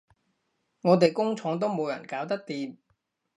我哋工廠都冇人搞得掂